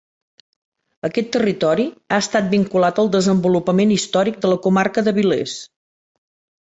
Aquest territori ha estat vinculat al desenvolupament històric de la comarca d'Avilés.